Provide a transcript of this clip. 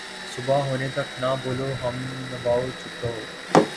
صبح ہونے تک نہ بولو ہم نواؤ ، چُپ رہو